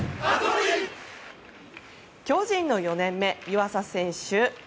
巨人の４年目、湯浅選手。